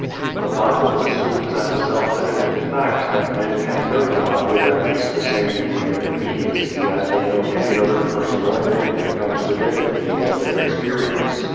The Bible assumes as a self evident fact that men can know God with at least the same degree of immediacy as they know any other person or thing that comes within the field of their experience.